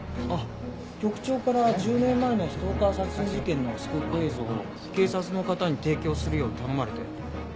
局長から１０年前のストーカー殺人事件のスクープ映像を警察の方に提供するよう頼まれて。